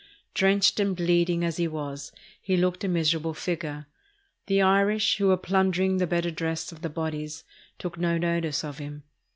Drenched and bleeding as he was, he looked a miserable figure. The Irish, who were plundering the better dressed of the bodies, took no notice of him.